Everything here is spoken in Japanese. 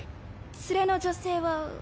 連れの女性は。